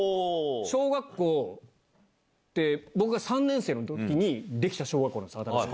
小学校って僕が３年生の時にできた小学校なんです新しく。